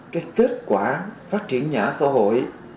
cái kết quả phát triển nhà ở xã hội